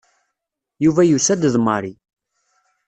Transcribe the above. Yuba yusa-d d Mary.